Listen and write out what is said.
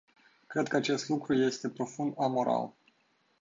Cred că acest lucru este profund amoral.